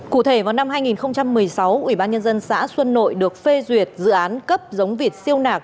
cụ thể vào năm hai nghìn một mươi sáu ủy ban nhân dân xã xuân nội được phê duyệt dự án cấp giống vịt siêu nạc